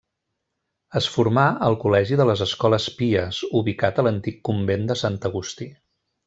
Es formà al Col·legi de les Escoles Pies ubicat a l'antic Convent de Sant Agustí.